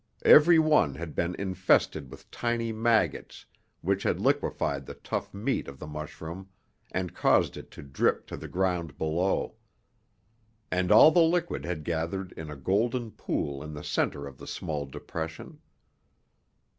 Every one had been infested with tiny maggots which had liquefied the tough meat of the mushroom and caused it to drip to the ground below. And all the liquid had gathered in a golden pool in the center of the small depression.